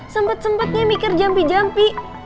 sempet sempetnya mikir jampi jampi